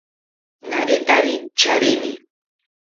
Naretari charini